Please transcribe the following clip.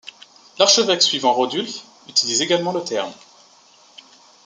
L'archevêque suivant Rodulf utilise également le terme.